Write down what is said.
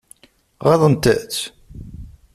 Ɣaḍent-tt?